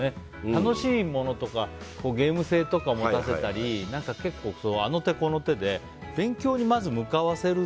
楽しいものとかゲーム性とかを持たせたりあの手この手で勉強に向かわせる。